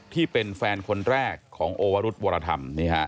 ที่เป็นแฟนคนแรกของโอวรุธวรธรรม